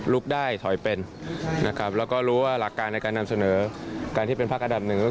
ได้ถอยเป็นนะครับแล้วก็รู้ว่าหลักการในการนำเสนอการที่เป็นพักอันดับหนึ่งก็คือ